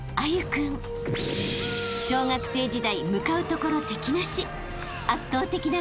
［小学生時代向かうところ敵なし］